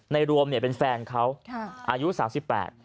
ในรวมเป็นแฟนเขาอายุสามสิบแปด